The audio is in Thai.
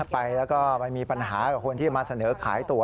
ไปแล้วก็ไปมีปัญหากับคนที่มาเสนอขายตัว